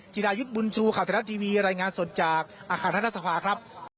จินายุทธ์บุญชูขาวธนาทีวีรายงานสดจากอาคารท่านทรัศนภาครับ